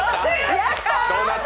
やったー。